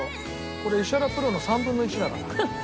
これ石原プロの３分の１だな。